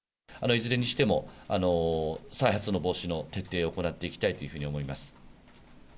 いずれにしても、再発の防止の徹底を行っていきたいというふうに思います。